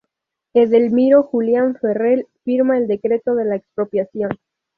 Edelmiro Julián Farrell firma el decreto de expropiación.